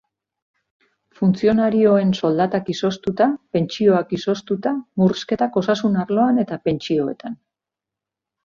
Funtzionarioen soldatak izoztuta, pentsioak izoztuta, murrizketak osasun arloan eta pentsioetan.